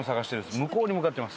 向こうに向かってます。